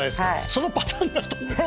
そのパターンだと思って。